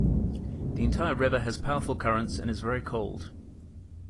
The entire river has powerful currents and is very cold.